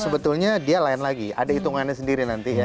sebetulnya dia lain lagi ada hitungannya sendiri nanti ya